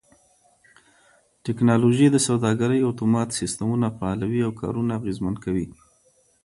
ټکنالوژي د سوداګرۍ اتومات سيستمونه فعالوي او کارونه اغېزمن کوي.